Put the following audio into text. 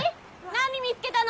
何見つけたの？